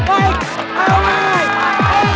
terima kasih our hdn